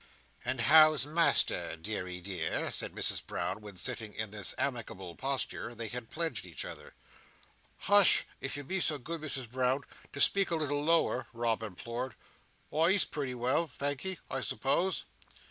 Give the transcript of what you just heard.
"And how's Master, deary dear?" said Mrs Brown, when, sitting in this amicable posture, they had pledged each other. "Hush! If you'd be so good, Misses Brown, as to speak a little lower," Rob implored. "Why, he's pretty well, thank'ee, I suppose."